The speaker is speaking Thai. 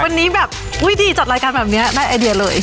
วันนี้แบบอุ้ยดีจัดรายการแบบนี้ได้ไอเดียเลย